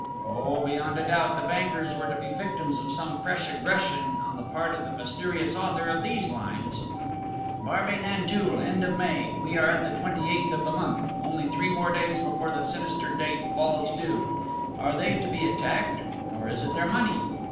_ Oh, beyond a doubt the bankers were to be victims of some fresh aggression on the part of the mysterious author of these lines!" "Barbey Nanteuil, end of May! We are at the 28th of the month: only three more days before the sinister date falls due! Are they to be attacked, or is it their money?